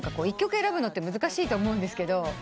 一曲選ぶのって難しいと思うんですけど。